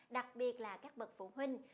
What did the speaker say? đặc biệt là các bậc phụ huynh